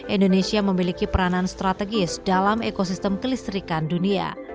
indonesia memiliki peranan strategis dalam ekosistem kelistrikan dunia